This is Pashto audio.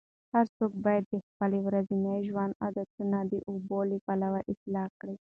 هر څوک باید د خپل ورځني ژوند عادتونه د اوبو له پلوه اصلاح کړي.